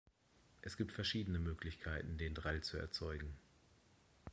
Es gibt verschiedene Möglichkeiten den Drall zu erzeugen.